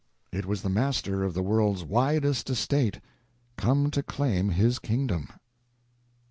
It was the master of the world's widest estate come to claim his kingdom!